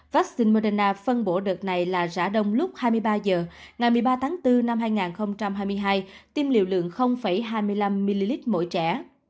vaccine moderna phân bộ đợt này là rã đông lúc hai mươi ba h ngày một mươi ba tháng bốn năm hai nghìn hai mươi hai tiêm liều lượng hai mươi năm ml mỗi trẻ